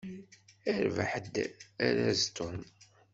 Irbeḥ-d araz Tom.